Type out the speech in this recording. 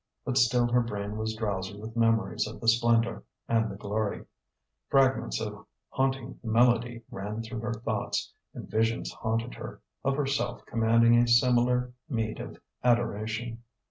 But still her brain was drowsy with memories of the splendour and the glory; fragments of haunting melody ran through her thoughts; and visions haunted her, of herself commanding a similar meed of adoration....